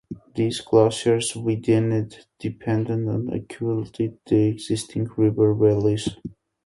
These glaciers widened, deepened and accentuated the existing river valleys.